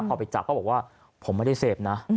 พอไปจับเขาบอกว่าผมไม่ได้เสพนะ